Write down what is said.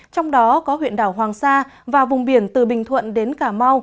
trong đó có huyện đảo hoàng sa và vùng biển từ bình thuận đến cà mau